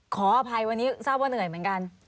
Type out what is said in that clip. ขออภัยวันนี้ทราบว่าเหนื่อยเหมือนกัน